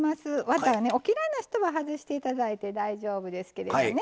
ワタお嫌いな人は外して頂いて大丈夫ですけれどね。